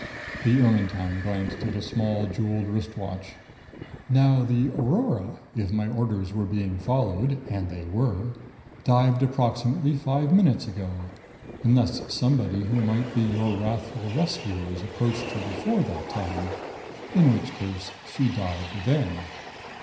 The Ermetyne glanced at a small jeweled wrist watch. "Now the Aurora, if my orders were being followed, and they were, dived approximately five minutes ago unless somebody who might be your wrathful rescuers approached her before that time, in which case she dived then.